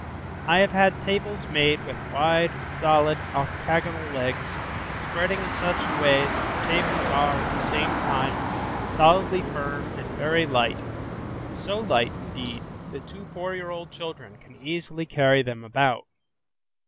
I have had tables made with wide, solid, octagonal legs, spreading in such a way that the tables are at the same time solidly firm and very light, so light, indeed, that two four year old children can easily carry them about.